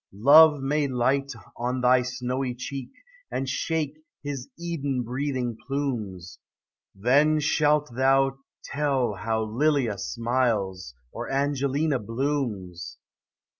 Love may light on thy snowy cheek, And shake his Eden breathing plumes; Then shalt thou tell how Lelia smiles, Or Angelina blooms.